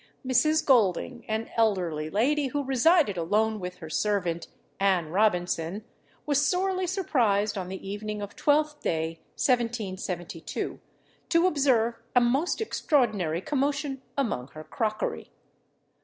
Mrs. Golding, an elderly lady, who resided alone with her servant, Anne Robinson, was sorely surprised on the evening of Twelfth Day, 1772, to observe a most extraordinary commotion among her crockery.